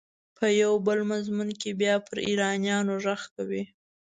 په یو بل مضمون کې بیا پر ایرانیانو غږ کوي.